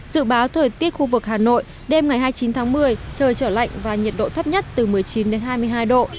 dự báo thời tiết khu vực hà nội đêm ngày hai mươi chín tháng một mươi trời trở lạnh và nhiệt độ thấp nhất từ một mươi chín đến hai mươi hai độ